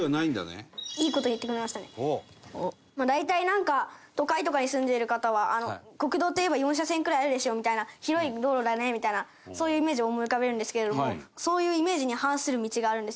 大体なんか都会とかに住んでいる方は国道といえば４車線くらいあるでしょみたいな広い道路だねみたいなそういうイメージを思い浮かべるんですけれどもそういうイメージに反する道があるんですよ。